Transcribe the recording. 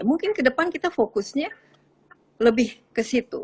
mungkin ke depan kita fokusnya lebih ke situ